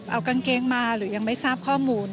เอากางเกงมาหรือยังไม่ทราบข้อมูล